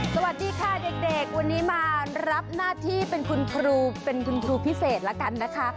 สวัสดีค่ะเด็กวันนี้มารับหน้าที่เป็นคุณครูเป็นคุณครูพิเศษแล้วกันนะคะ